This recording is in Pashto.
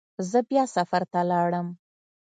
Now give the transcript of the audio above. زه بیا سفر ته لاړم.